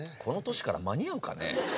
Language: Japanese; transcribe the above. この年から間に合うかね？